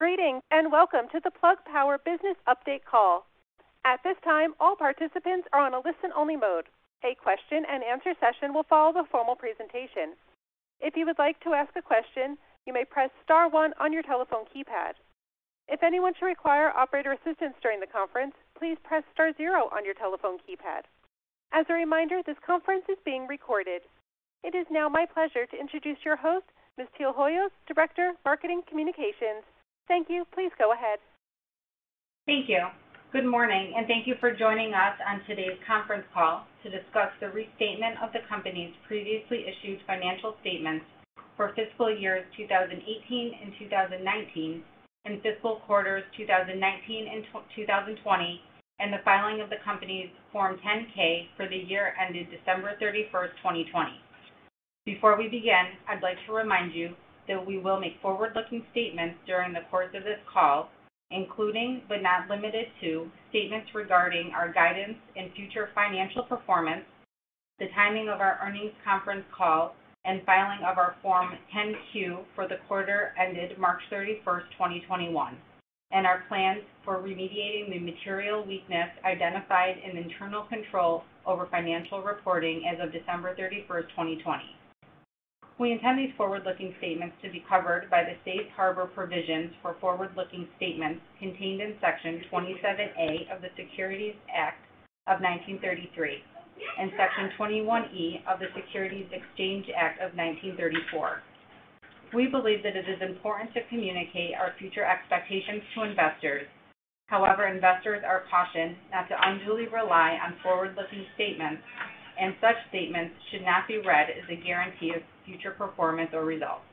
Greetings, and welcome to the Plug Power Business Update Call. At this time, all participants are on a listen-only mode. A question and answer session will follow the formal presentation. If you would like to ask a question, you may press star one on your telephone keypad. If anyone should require operator assistance during the conference, please press star zero on your telephone keypad. As a reminder, this conference is being recorded. It is now my pleasure to introduce your host, Ms. Teal Hoyos, Director of Marketing Communications. Thank you. Please go ahead. Thank you. Good morning, thank you for joining us on today's conference call to discuss the restatement of the company's previously issued financial statements for fiscal years 2018 and 2019 and fiscal quarters 2019 and 2020 and the filing of the company's Form 10-K for the year ended December 31st, 2020. Before we begin, I'd like to remind you that we will make forward-looking statements during the course of this call, including, but not limited to, statements regarding our guidance and future financial performance, the timing of our earnings conference call, and filing of our Form 10-Q for the quarter ended March 31st, 2021, and our plans for remediating the material weakness identified in internal control over financial reporting as of December 31st, 2020. We intend these forward-looking statements to be covered by the safe harbor provisions for forward-looking statements contained in Section 27A of the Securities Act of 1933 and Section 21E of the Securities Exchange Act of 1934. We believe that it is important to communicate our future expectations to investors. However, investors are cautioned not to unduly rely on forward-looking statements, and such statements should not be read as a guarantee of future performance or results.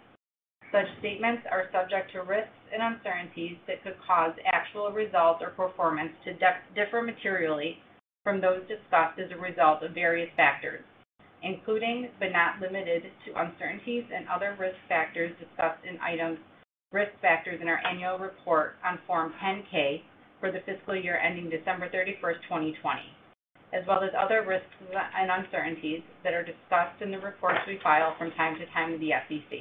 Such statements are subject to risks and uncertainties that could cause actual results or performance to differ materially from those discussed as a result of various factors, including, but not limited to, uncertainties and other risk factors discussed in items Risk Factors in our annual report on Form 10-K for the fiscal year ending December 31st, 2020, as well as other risks and uncertainties that are discussed in the reports we file from time to time with the SEC.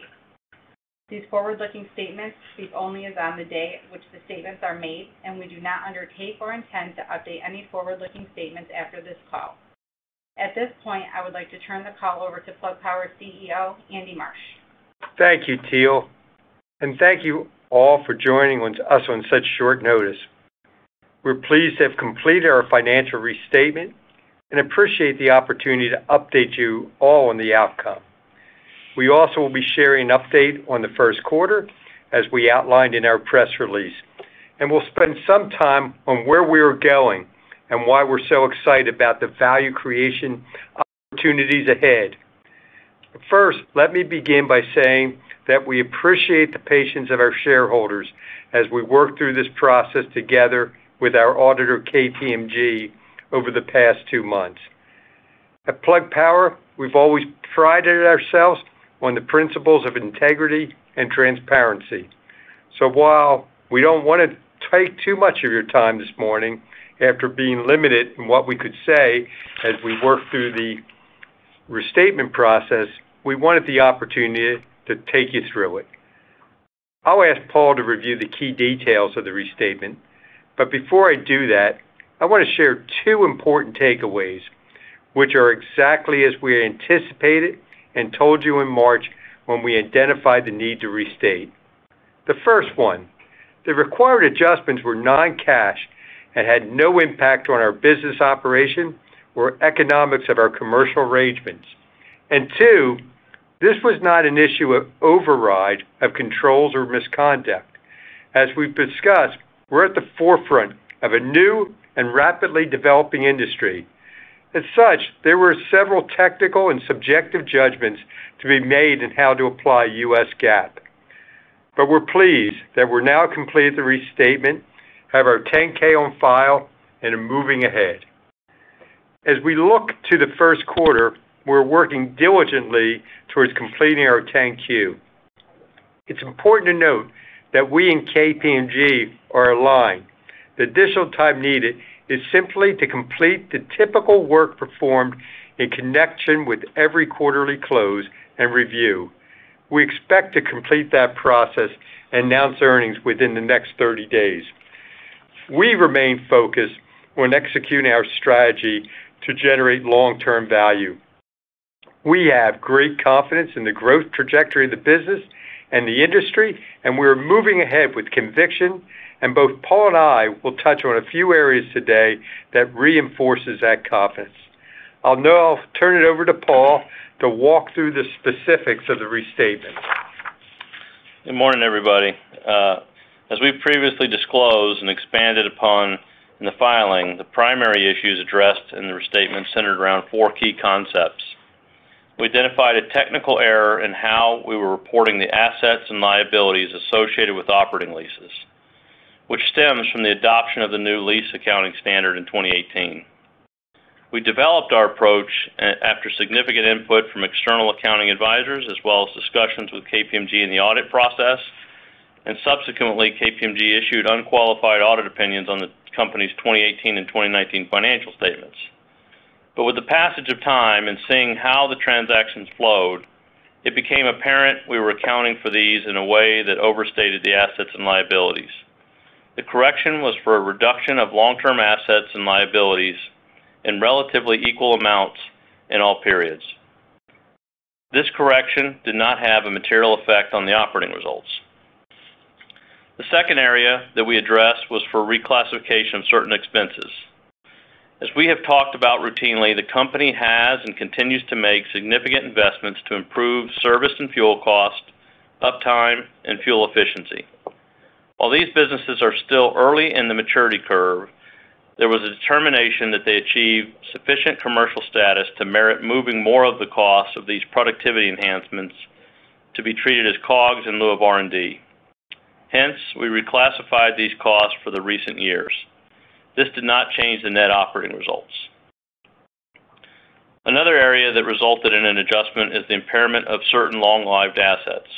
These forward-looking statements speak only as on the day which the statements are made, and we do not undertake or intend to update any forward-looking statements after this call. At this point, I would like to turn the call over to Plug Power CEO, Andy Marsh. Thank you, Teal. Thank you all for joining us on such short notice. We're pleased to have completed our financial restatement and appreciate the opportunity to update you all on the outcome. We also will be sharing an update on the first quarter as we outlined in our press release. We'll spend some time on where we are going and why we're so excited about the value creation opportunities ahead. First, let me begin by saying that we appreciate the patience of our shareholders as we worked through this process together with our auditor, KPMG, over the past two months. At Plug Power, we've always prided ourselves on the principles of integrity and transparency. While we don't want to take too much of your time this morning, after being limited in what we could say as we worked through the restatement process, we wanted the opportunity to take you through it. I'll ask Paul to review the key details of the restatement. Before I do that, I want to share two important takeaways, which are exactly as we anticipated and told you in March when we identified the need to restate. The first one, the required adjustments were non-cash and had no impact on our business operation or economics of our commercial arrangements. Two, this was not an issue of override of controls or misconduct. As we've discussed, we're at the forefront of a new and rapidly developing industry. As such, there were several technical and subjective judgments to be made in how to apply U.S. GAAP. We're pleased that we're now completed the restatement, have our 10-K on file, and are moving ahead. As we look to the first quarter, we're working diligently towards completing our 10-Q. It's important to note that we and KPMG are aligned. The additional time needed is simply to complete the typical work performed in connection with every quarterly close and review. We expect to complete that process and announce earnings within the next 30 days. We remain focused on executing our strategy to generate long-term value. We have great confidence in the growth trajectory of the business and the industry. Both Paul and I will touch on a few areas today that reinforces that confidence. I'll now turn it over to Paul to walk through the specifics of the restatement. Good morning, everybody. As we previously disclosed and expanded upon in the filing, the primary issues addressed in the restatement centered around four key concepts. We identified a technical error in how we were reporting the assets and liabilities associated with operating leases, which stems from the adoption of the new lease accounting standard in 2018. We developed our approach after significant input from external accounting advisors, as well as discussions with KPMG in the audit process. Subsequently, KPMG issued unqualified audit opinions on the company's 2018 and 2019 financial statements. With the passage of time and seeing how the transactions flowed, it became apparent we were accounting for these in a way that overstated the assets and liabilities. The correction was for a reduction of long-term assets and liabilities in relatively equal amounts in all periods. This correction did not have a material effect on the operating results. The second area that we addressed was for reclassification of certain expenses. As we have talked about routinely, the company has and continues to make significant investments to improve service and fuel cost, uptime, and fuel efficiency. While these businesses are still early in the maturity curve, there was a determination that they achieved sufficient commercial status to merit moving more of the costs of these productivity enhancements to be treated as COGS in lieu of R&D. Hence, we reclassified these costs for the recent years. This did not change the net operating results. Another area that resulted in an adjustment is the impairment of certain long-lived assets.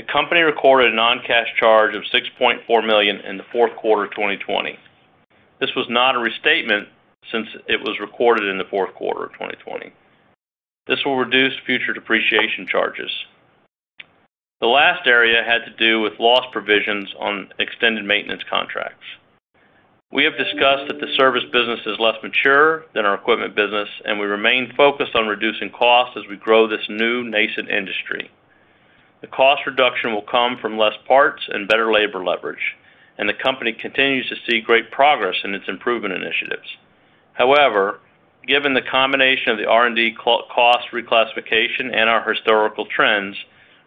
The company recorded a non-cash charge of $6.4 million in the fourth quarter of 2020. This was not a restatement since it was recorded in the fourth quarter of 2020. This will reduce future depreciation charges. The last area had to do with loss provisions on extended maintenance contracts. We have discussed that the service business is less mature than our equipment business, and we remain focused on reducing costs as we grow this new nascent industry. The cost reduction will come from less parts and better labor leverage, and the company continues to see great progress in its improvement initiatives. However, given the combination of the R&D cost reclassification and our historical trends,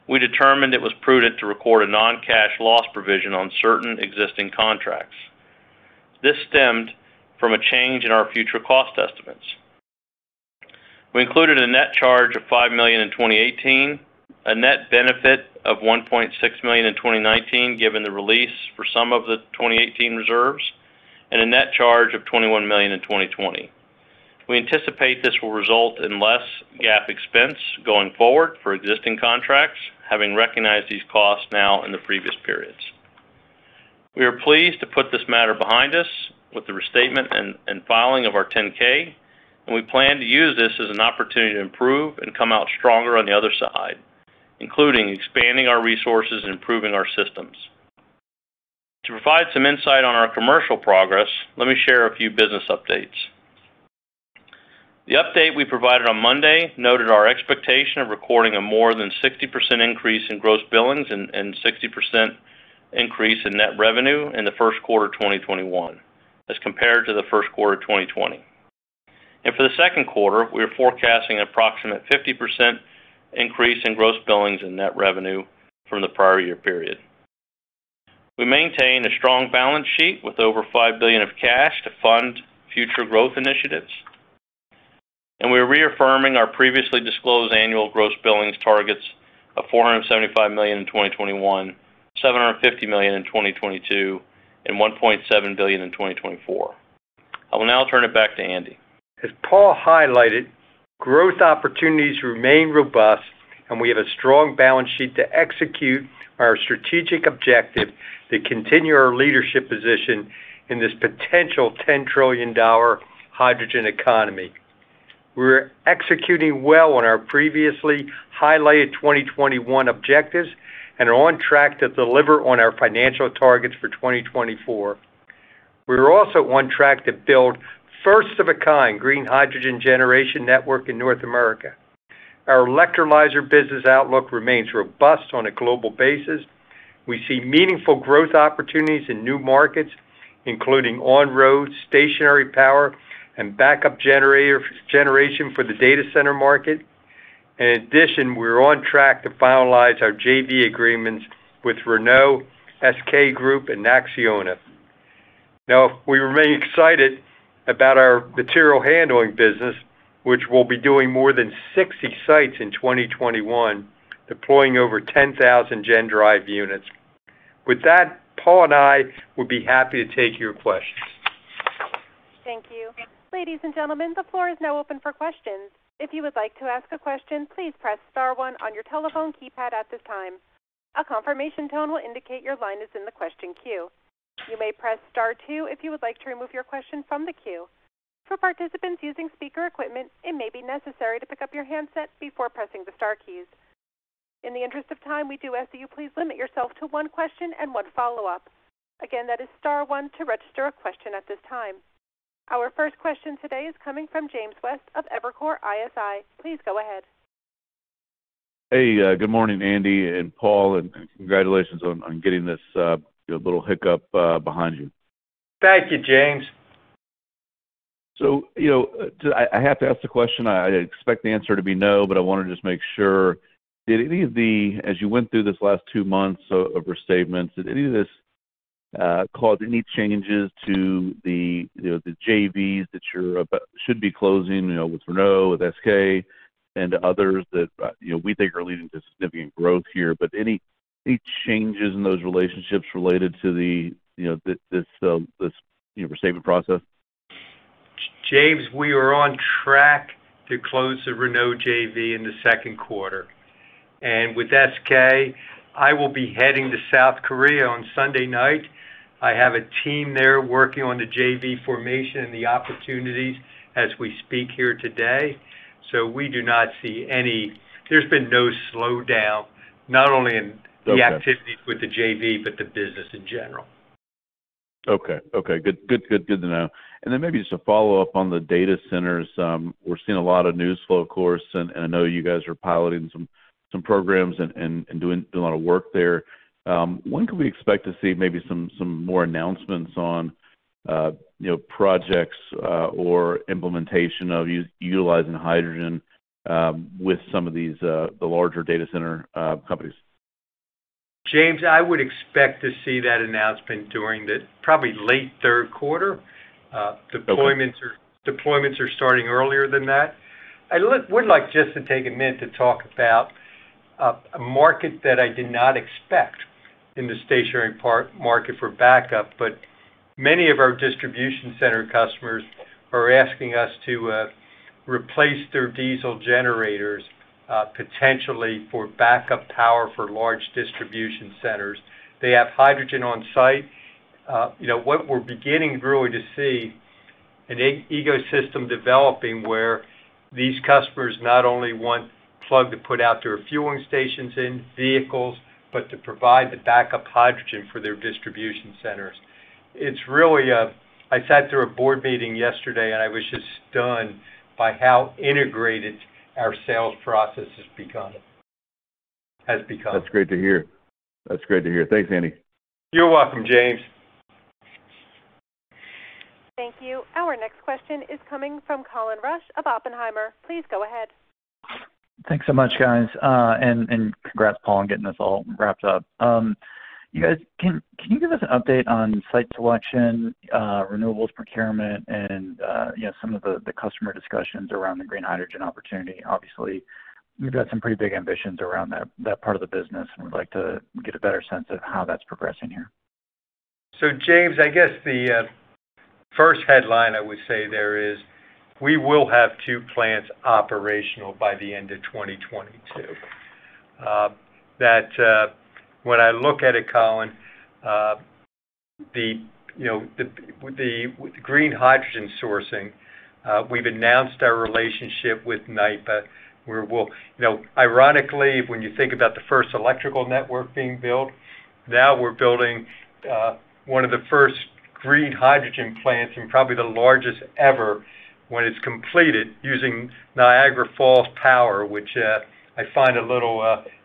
we determined it was prudent to record a non-cash loss provision on certain existing contracts. This stemmed from a change in our future cost estimates. We included a net charge of $5 million in 2018, a net benefit of $1.6 million in 2019, given the release for some of the 2018 reserves, and a net charge of $21 million in 2020. We anticipate this will result in less GAAP expense going forward for existing contracts, having recognized these costs now in the previous periods. We are pleased to put this matter behind us with the restatement and filing of our 10-K, and we plan to use this as an opportunity to improve and come out stronger on the other side, including expanding our resources and improving our systems. To provide some insight on our commercial progress, let me share a few business updates. The update we provided on Monday noted our expectation of recording a more than 60% increase in gross billings and 60% increase in net revenue in the first quarter of 2021 as compared to the first quarter of 2020. For the second quarter, we are forecasting an approximate 50% increase in gross billings and net revenue from the prior year period. We maintain a strong balance sheet with over $5 billion of cash to fund future growth initiatives. We are reaffirming our previously disclosed annual gross billings targets of $475 million in 2021, $750 million in 2022, and $1.7 billion in 2024. I will now turn it back to Andy. As Paul highlighted, growth opportunities remain robust, and we have a strong balance sheet to execute our strategic objective to continue our leadership position in this potential $10 trillion hydrogen economy. We're executing well on our previously highlighted 2021 objectives and are on track to deliver on our financial targets for 2024. We are also on track to build first of a kind green hydrogen generation network in North America. Our electrolyzer business outlook remains robust on a global basis. We see meaningful growth opportunities in new markets, including on-road, stationary power, and backup generation for the data center market. In addition, we are on track to finalize our JV agreements with Renault, SK Group, and ACCIONA. We remain excited about our material handling business, which will be doing more than 60 sites in 2021, deploying over 10,000 GenDrive units. With that, Paul and I would be happy to take your questions. Thank you. Ladies and gentlemen, the floor is now open for questions. If you would like to ask a question, please press star one on your telephone keypad at this time. A confirmation tone will indicate your line is in the question queue. You may press star two if you would like to remove your question from the queue. For participants using speaker equipment, it may be necessary to pick up your handset before pressing the star keys. In the interest of time, we do ask that you please limit yourself to one question and one follow-up. Again, that is star one to register a question at this time. Our first question today is coming from James West of Evercore ISI. Please go ahead. Hey, good morning, Andy and Paul, congratulations on getting this little hiccup behind you. Thank you, James. I have to ask the question. I expect the answer to be no, but I want to just make sure. As you went through this last two months of restatements, did any of this cause any changes to the JVs that should be closing with Renault, with SK, and others that we think are leading to significant growth here? Any changes in those relationships related to this restatement process? James, we are on track to close the Renault JV in the second quarter. With SK, I will be heading to South Korea on Sunday night. I have a team there working on the JV formation and the opportunities as we speak here today. We do not see any slowdown, not only in- Okay the activities with the JV, but the business in general. Okay. Good to know. Maybe just a follow-up on the data centers. We're seeing a lot of news flow, of course, and I know you guys are piloting some programs and doing a lot of work there. When could we expect to see maybe some more announcements on projects or implementation of utilizing hydrogen with some of the larger data center companies? James, I would expect to see that announcement during the probably late third quarter. Okay. Deployments are starting earlier than that. I would like just to take a minute to talk about a market that I did not expect in the stationary market for backup. Many of our distribution center customers are asking us to replace their diesel generators, potentially for backup power for large distribution centers. They have hydrogen on site. What we're beginning, really, to see an ecosystem developing where these customers not only want Plug to put out their fueling stations in vehicles, but to provide the backup hydrogen for their distribution centers. I sat through a board meeting yesterday, and I was just stunned by how integrated our sales process has become. That's great to hear. Thanks, Andy. You're welcome, James. Thank you. Our next question is coming from Colin Rusch of Oppenheimer. Please go ahead. Thanks so much, guys. Congrats, Paul, on getting this all wrapped up. You guys, can you give us an update on site selection, renewables procurement, and some of the customer discussions around the green hydrogen opportunity? Obviously, you've got some pretty big ambitions around that part of the business. We'd like to get a better sense of how that's progressing here. James, I guess the first headline I would say there is we will have 2 plants operational by the end of 2022. That when I look at it, Colin, with the green hydrogen sourcing, we've announced our relationship with NYPA, where we'll Ironically, when you think about the first electrical network being built, now we're building one of the first green hydrogen plants, and probably the largest ever when it's completed, using Niagara Falls power, which I find a little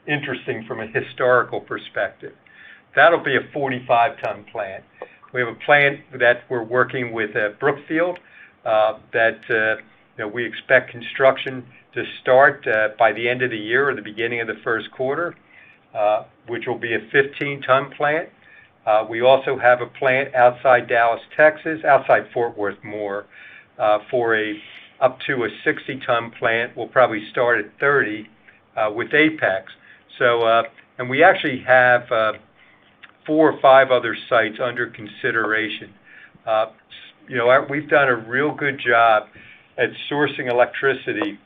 interesting from a historical perspective. That'll be a 45-ton plant. We have a plant that we're working with at Brookfield that we expect construction to start by the end of the year or the beginning of the first quarter, which will be a 15-ton plant. We also have a plant outside Dallas, Texas, outside Fort Worth, for up to a 60-ton plant. We'll probably start at 30, with Apex. We actually have four or five other sites under consideration. We've done a real good job at sourcing electricity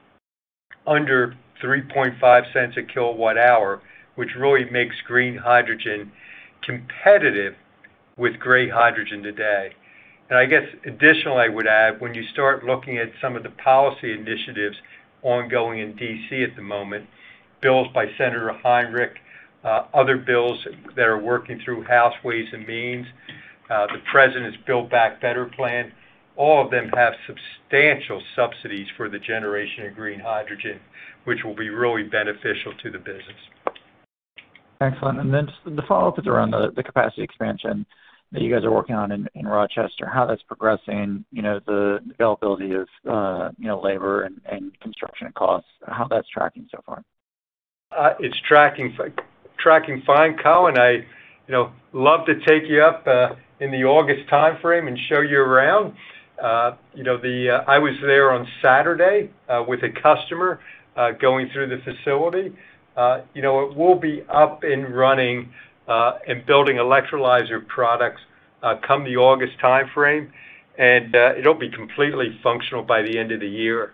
under $0.035 a kilowatt hour, which really makes green hydrogen competitive with gray hydrogen today. I guess additionally, I would add, when you start looking at some of the policy initiatives ongoing in D.C. at the moment, bills by Senator Heinrich, other bills that are working through House Ways and Means, the president's Build Back Better plan, all of them have substantial subsidies for the generation of green hydrogen, which will be really beneficial to the business. Excellent. Then just the follow-up is around the capacity expansion that you guys are working on in Rochester, how that's progressing, the availability of labor and construction costs, how that's tracking so far. It's tracking fine, Colin. I'd love to take you up in the August timeframe and show you around. I was there on Saturday with a customer going through the facility. It will be up and running and building electrolyzer products come the August timeframe, and it will be completely functional by the end of the year.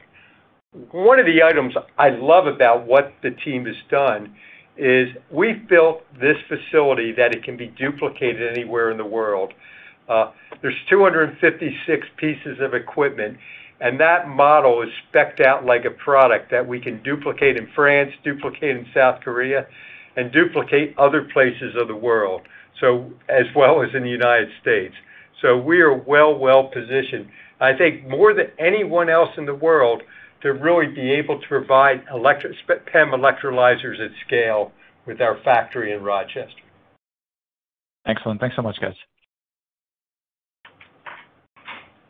One of the items I love about what the team has done is we've built this facility that it can be duplicated anywhere in the world. There's 256 pieces of equipment, and that model is specced out like a product that we can duplicate in France, duplicate in South Korea, and duplicate other places of the world, as well as in the United States. We are well, well-positioned, I think more than anyone else in the world, to really be able to provide PEM electrolyzers at scale with our factory in Rochester. Excellent. Thanks so much, guys.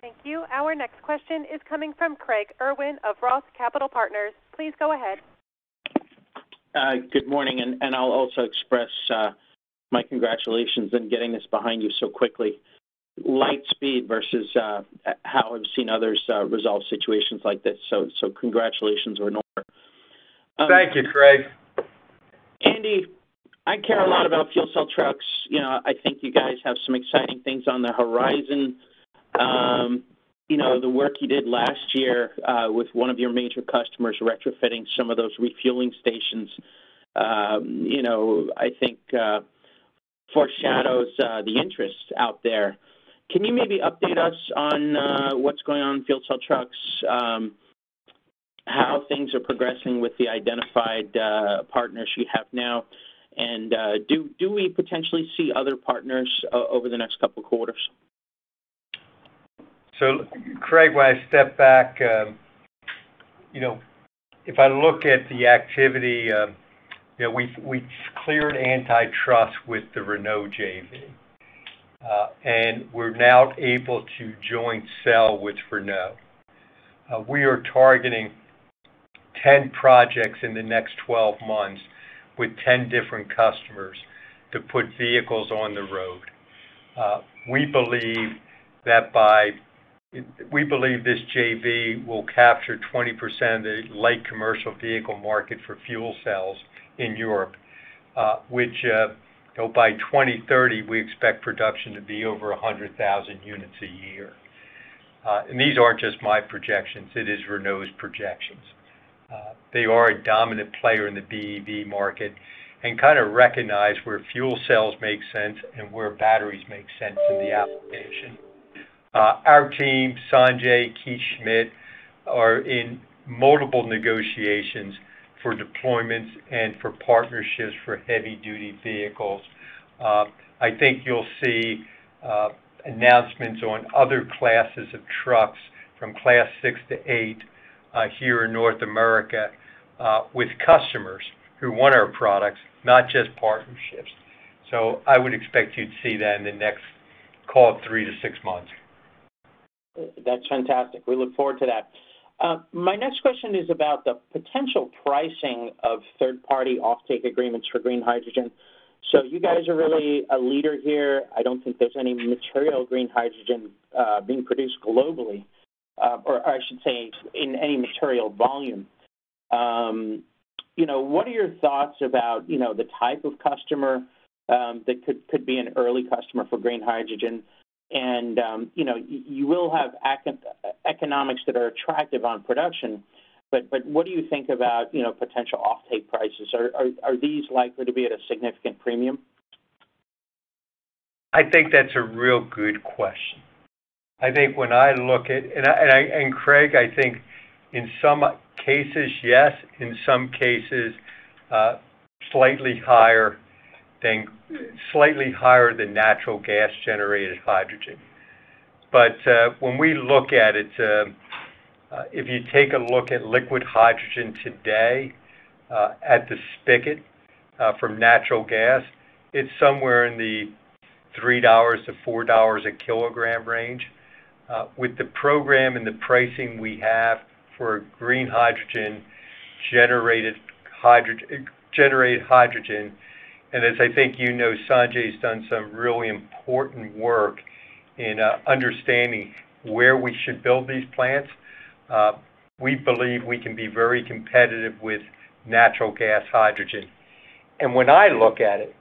Thank you. Our next question is coming from Craig Irwin of Roth Capital Partners. Please go ahead. Good morning. I'll also express my congratulations in getting this behind you so quickly. Light speed versus how I've seen others resolve situations like this, congratulations are in order. Thank you, Craig. Andy, I care a lot about fuel cell trucks. I think you guys have some exciting things on the horizon. The work you did last year with one of your major customers retrofitting some of those refueling stations, I think foreshadows the interest out there. Can you maybe update us on what's going on with fuel cell trucks, how things are progressing with the identified partners you have now, do we potentially see other partners over the next couple of quarters? Craig, when I step back, if I look at the activity, we've cleared antitrust with the Renault JV. We're now able to joint sell with Renault. We are targeting 10 projects in the next 12 months with 10 different customers to put vehicles on the road. We believe this JV will capture 20% of the light commercial vehicle market for fuel cells in Europe, which by 2030, we expect production to be over 100,000 units a year. These aren't just my projections, it is Renault's projections. They are a dominant player in the BEV market and kind of recognize where fuel cells make sense and where batteries make sense in the application. Our team, Sanjay, Keith Schmid, are in multiple negotiations for deployments and for partnerships for heavy-duty vehicles. I think you'll see announcements on other classes of trucks from class 6 to 8 here in North America with customers who want our products, not just partnerships. I would expect you to see that in the next, call it 3 to 6 months. That's fantastic. We look forward to that. My next question is about the potential pricing of third-party offtake agreements for green hydrogen. You guys are really a leader here. I don't think there's any material green hydrogen being produced globally, or I should say, in any material volume. What are your thoughts about the type of customer that could be an early customer for green hydrogen? You will have economics that are attractive on production, but what do you think about potential offtake prices? Are these likely to be at a significant premium? I think that's a real good question. Craig, I think in some cases, yes, in some cases slightly higher than natural gas-generated hydrogen. When we look at it, if you take a look at liquid hydrogen today at the spigot from natural gas, it's somewhere in the $3-$4 a kilogram range. With the program and the pricing we have for green hydrogen, generated hydrogen, and as I think you know, Sanjay's done some really important work in understanding where we should build these plants. We believe we can be very competitive with natural gas hydrogen. When I look at it,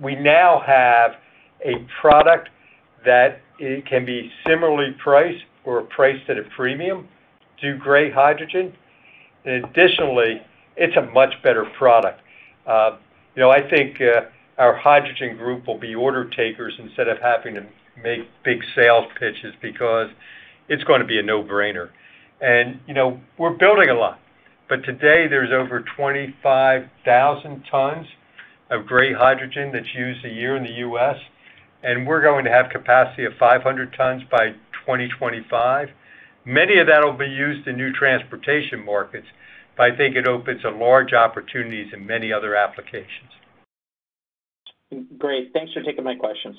we now have a product that can be similarly priced or priced at a premium to gray hydrogen. Additionally, it's a much better product. I think our hydrogen group will be order takers instead of having to make big sales pitches because it's going to be a no-brainer. We're building a lot, today there's over 25,000 tons of gray hydrogen that's used a year in the U.S., we're going to have capacity of 500 tons by 2025. Many of that will be used in new transportation markets, I think it opens a large opportunities in many other applications. Great. Thanks for taking my questions.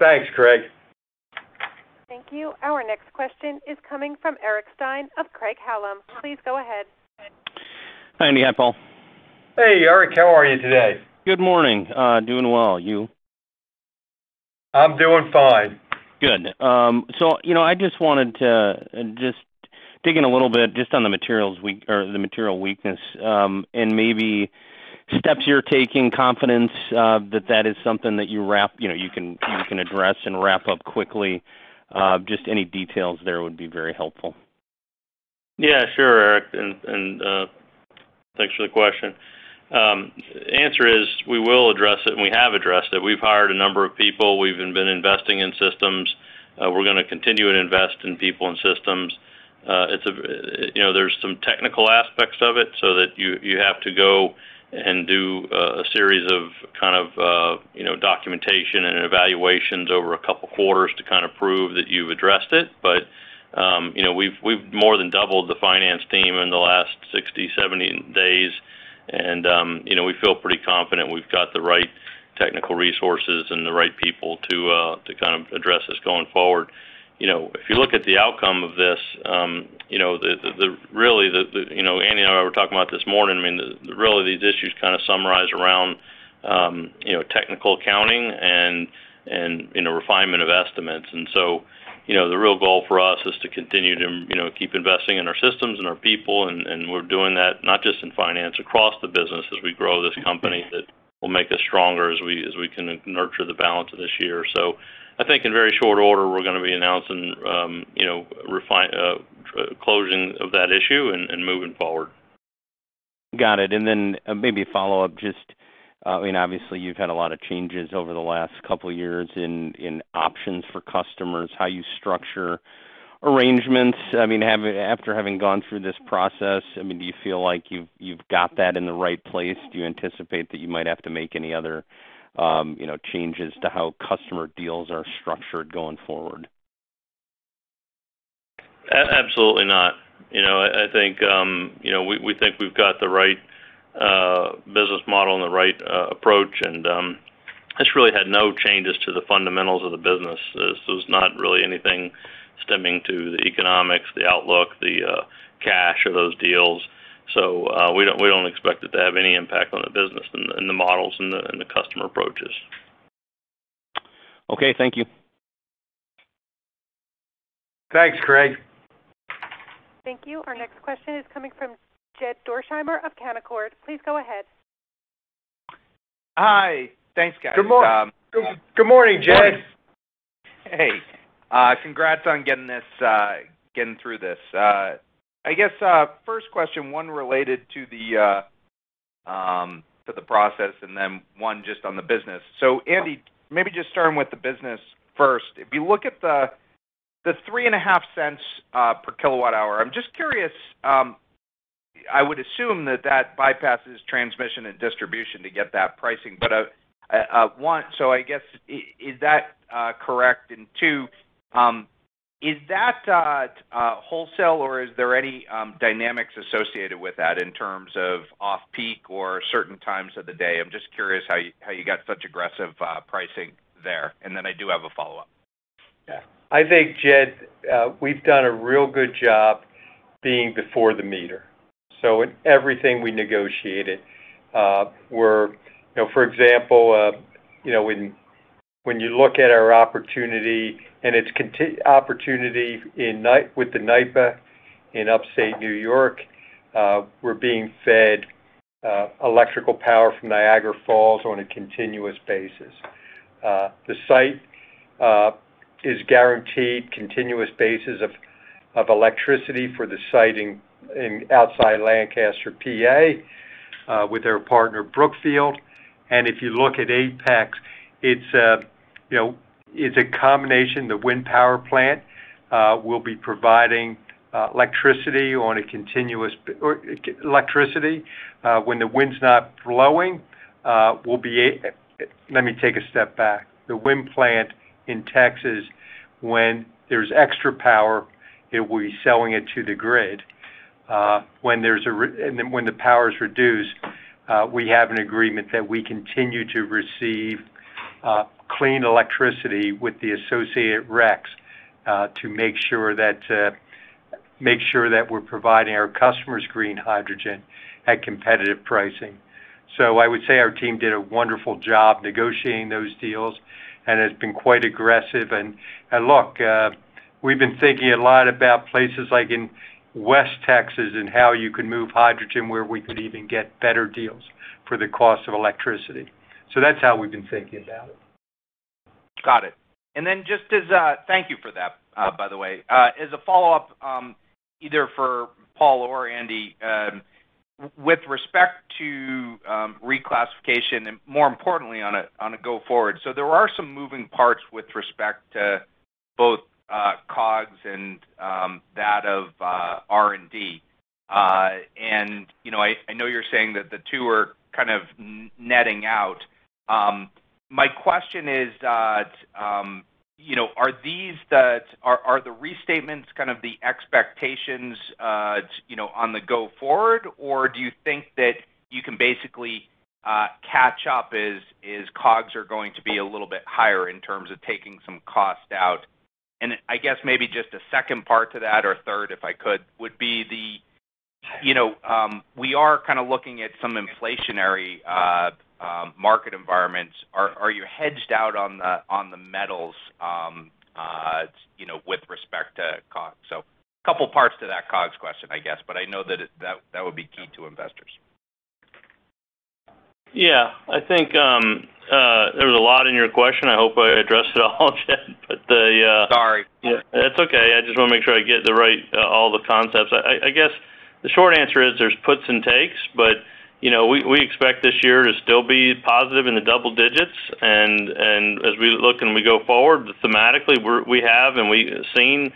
Thanks, Craig. Thank you. Our next question is coming from Eric Stine of Craig-Hallum. Please go ahead. Hi, Andy. Hi, Paul. Hey, Eric. How are you today? Good morning. Doing well. You? I'm doing fine. I wanted to dig in a little bit on the material weakness, and maybe steps you're taking, confidence that that is something that you can address and wrap up quickly. Any details there would be very helpful. Yeah, sure, Eric, thanks for the question. Answer is, we will address it, we have addressed it. We've hired a number of people. We've been investing in systems. We're going to continue to invest in people and systems. There's some technical aspects of it you have to go and do a series of documentation and evaluations over a couple of quarters to kind of prove that you've addressed it. We've more than doubled the finance team in the last 60, 70 days, we feel pretty confident we've got the right technical resources and the right people to address this going forward. You look at the outcome of this, Andy and I were talking about this morning, really these issues kind of summarize around technical accounting and refinement of estimates. The real goal for us is to continue to keep investing in our systems and our people, we're doing that not just in finance, across the business as we grow this company, that will make us stronger as we can nurture the balance of this year. I think in very short order, we're going to be announcing closing of that issue and moving forward. Got it. Maybe a follow-up, obviously you've had a lot of changes over the last couple of years in options for customers, how you structure arrangements. After having gone through this process, do you feel like you've got that in the right place? Do you anticipate that you might have to make any other changes to how customer deals are structured going forward? Absolutely not. We think we've got the right business model and the right approach, and this really had no changes to the fundamentals of the business. This was not really anything stemming to the economics, the outlook, the cash of those deals. We don't expect it to have any impact on the business and the models and the customer approaches. Okay. Thank you. Thanks, Craig. Thank you. Our next question is coming from Jed Dorsheimer of Canaccord. Please go ahead. Hi. Thanks, guys. Good morning, Jed. Hey. Congrats on getting through this. I guess first question, one related to the process and then one just on the business. Andy, maybe just starting with the business first. If you look at the $0.035 per kilowatt hour, I'm just curious, I would assume that bypasses transmission and distribution to get that pricing. One, I guess is that correct? Two, is that wholesale or is there any dynamics associated with that in terms of off-peak or certain times of the day? I'm just curious how you got such aggressive pricing there. I do have a follow-up. I think, Jed, we've done a real good job being before the meter. In everything we negotiated, for example, when you look at our opportunity, and its opportunity with the NYPA in Upstate New York, we're being fed electrical power from Niagara Falls on a continuous basis. The site is guaranteed continuous basis of electricity for the siting outside Lancaster, P.A., with our partner, Brookfield. If you look at Apex, it's a combination. The wind power plant will be providing electricity when the wind's not blowing. Let me take a step back. The wind plant in Texas, when there's extra power, it will be selling it to the grid. When the power is reduced, we have an agreement that we continue to receive clean electricity with the associated RECs to make sure that we're providing our customers green hydrogen at competitive pricing. I would say our team did a wonderful job negotiating those deals and has been quite aggressive. Look, we've been thinking a lot about places like in West Texas and how you could move hydrogen where we could even get better deals for the cost of electricity. That's how we've been thinking about it. Got it. Thank you for that, by the way. As a follow-up, either for Paul or Andy, with respect to reclassification, and more importantly, on a go forward. There are some moving parts with respect to both COGS and that of R&D. I know you're saying that the two are kind of netting out. My question is, are the restatements kind of the expectations on the go forward, or do you think that you can basically catch up as COGS are going to be a little bit higher in terms of taking some cost out? I guess maybe just a second part to that or third, if I could, would be we are kind of looking at some inflationary market environments. Are you hedged out on the metals with respect to COGS? A couple of parts to that COGS question, I guess, but I know that would be key to investors. Yeah, I think there was a lot in your question. I hope I addressed it all, Jed. Sorry. That's okay. I just want to make sure I get all the concepts. I guess the short answer is there's puts and takes, but we expect this year to still be positive in the double digits. As we look and we go forward thematically, we've seen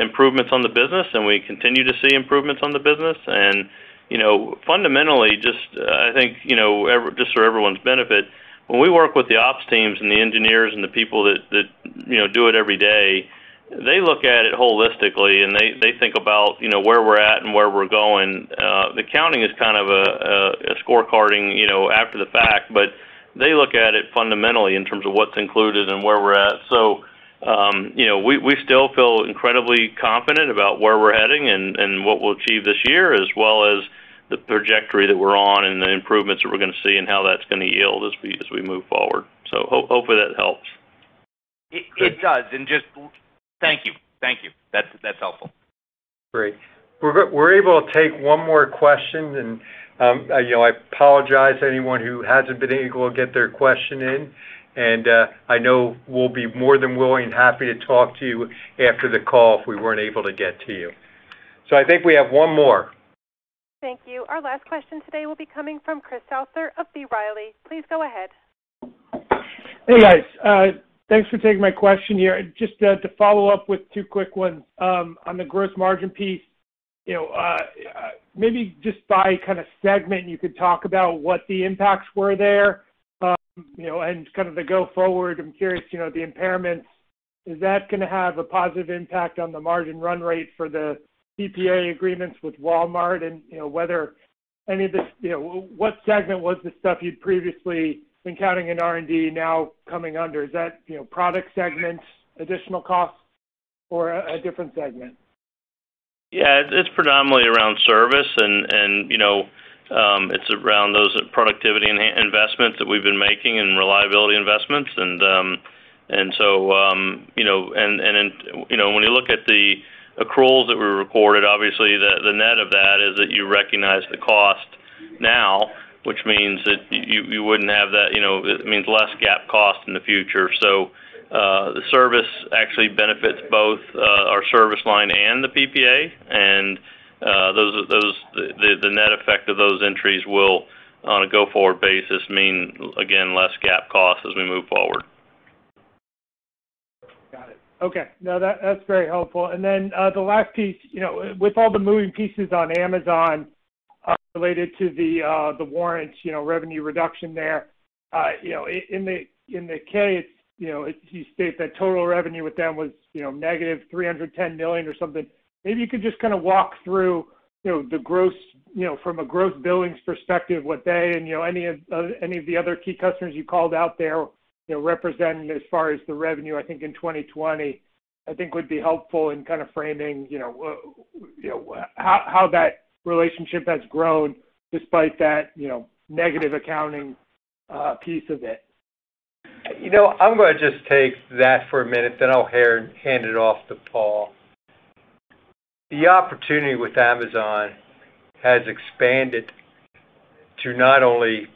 improvements on the business and we continue to see improvements on the business. Fundamentally, I think just for everyone's benefit, when we work with the ops teams and the engineers and the people that do it every day, they look at it holistically and they think about where we're at and where we're going. The accounting is kind of a scorecarding after the fact, but they look at it fundamentally in terms of what's included and where we're at. We still feel incredibly confident about where we're heading and what we'll achieve this year, as well as the trajectory that we're on and the improvements that we're going to see and how that's going to yield as we move forward. Hopefully that helps. It does. Thank you. That's helpful. Great. We're able to take one more question. I apologize to anyone who hasn't been able to get their question in. I know we'll be more than willing and happy to talk to you after the call if we weren't able to get to you. I think we have one more. Thank you. Our last question today will be coming from Chris Souther of B. Riley. Please go ahead. Hey, guys. Thanks for taking my question here. Just to follow up with two quick ones. On the gross margin piece, maybe just by segment, you could talk about what the impacts were there. The go forward, I'm curious, the impairments, is that going to have a positive impact on the margin run rate for the PPA agreements with Walmart? What segment was the stuff you'd previously been counting in R&D now coming under? Is that product segments, additional costs, or a different segment? Yeah, it's predominantly around service and it's around those productivity investments that we've been making and reliability investments. When you look at the accruals that were recorded, obviously the net of that is that you recognize the cost now, which means less GAAP cost in the future. The service actually benefits both our service line and the PPA, the net effect of those entries will, on a go-forward basis, mean, again, less GAAP costs as we move forward. Got it. Okay. No, that's very helpful. Then the last piece, with all the moving pieces on Amazon related to the warrants revenue reduction there. In the K, you state that total revenue with them was negative $310 million or something. Maybe you could just walk through from a gross billings perspective what they and any of the other key customers you called out there represent as far as the revenue, I think, in 2020. I think would be helpful in framing how that relationship has grown despite that negative accounting piece of it. I'm going to just take that for a minute, then I'll hand it off to Paul. The opportunity with Amazon has expanded to not only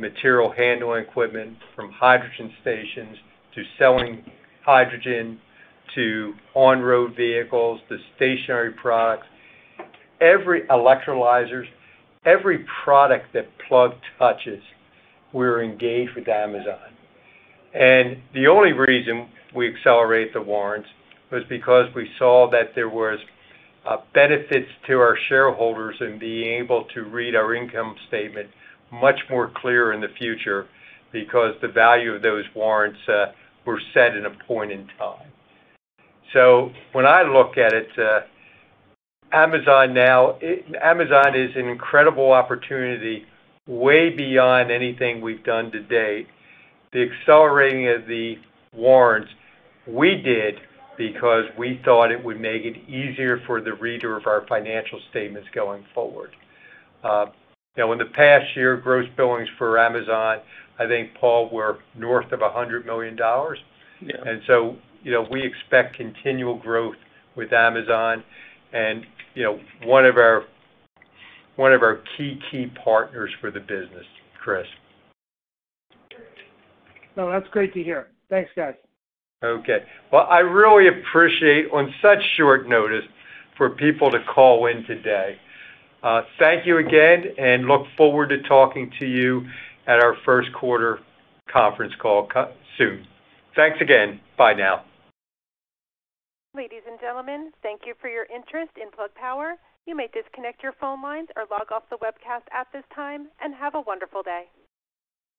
material handling equipment from hydrogen stations to selling hydrogen to on-road vehicles to stationary products, every electrolyzer, every product that Plug touches, we're engaged with Amazon. The only reason we accelerated the warrants was because we saw that there was benefits to our shareholders in being able to read our income statement much more clear in the future because the value of those warrants were set in a point in time. When I look at it, Amazon is an incredible opportunity way beyond anything we've done to date. The accelerating of the warrants we did because we thought it would make it easier for the reader of our financial statements going forward. In the past year, gross billings for Amazon, I think, Paul, were north of $100 million. Yeah. We expect continual growth with Amazon and one of our key partners for the business, Craig. That's great to hear. Thanks, guys. Well, I really appreciate on such short notice for people to call in today. Thank you again. Look forward to talking to you at our first quarter conference call soon. Thanks again. Bye now. Ladies and gentlemen, thank you for your interest in Plug Power. You may disconnect your phone lines or log off the webcast at this time. Have a wonderful day.